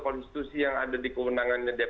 posisi yang ada di keundangannya dpr